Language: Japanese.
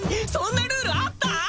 そんなルールあった？